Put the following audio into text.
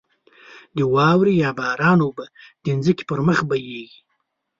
د واورې یا باران اوبه د ځمکې پر مخ بهېږې.